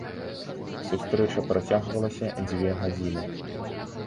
Сустрэча працягвалася дзве гадзіны.